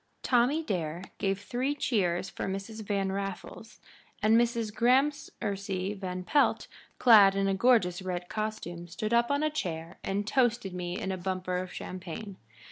Tommy Dare gave three cheers for Mrs. Van Raffles, and Mrs. Gramercy Van Pelt, clad in a gorgeous red costume, stood up on a chair and toasted me in a bumper of champagne.